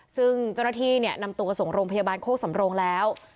ซึ่งเจ้าหน้าที่นำตัวส่งโรงพยาบาลโคกสำโรงแล้ว